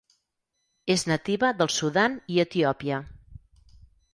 És nativa del Sudan i Etiòpia.